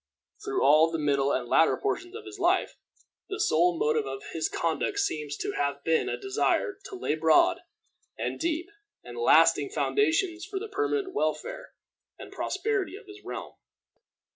Through all the middle and latter portions of his life, the sole motive of his conduct seems to have been a desire to lay broad, and deep, and lasting foundations for the permanent welfare and prosperity of his realm.